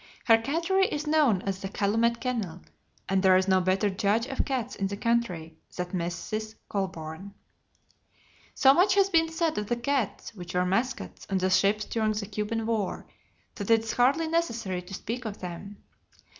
Her cattery is known as the "Calumet Kennel," and there is no better judge of cats in the country than Mrs. Colburn. So much has been said of the cats which were "mascots" on the ships during the Cuban War that it is hardly necessary to speak of them.